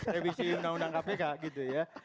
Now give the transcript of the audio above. revisi undang undang kpk gitu ya